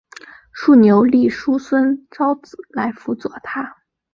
竖牛立叔孙昭子来辅佐他。